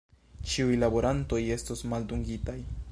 Ĉiuj laborantoj estos maldungitaj.